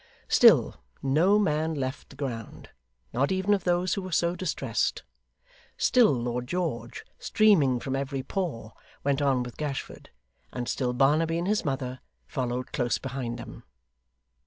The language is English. Still, no man left the ground, not even of those who were so distressed; still Lord George, streaming from every pore, went on with Gashford; and still Barnaby and his mother followed close behind them.